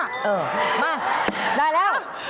เออมาได้แล้ว